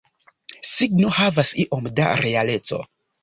Signo havas iom da realeco.